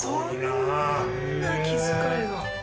そんな気遣いが。